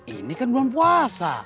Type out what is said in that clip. ini kan bulan puasa